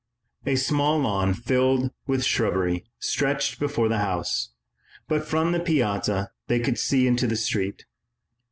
A small lawn filled with shrubbery stretched before the house, but from the piazza they could see into the street.